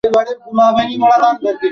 কাছাকাছি যেতে পারছি?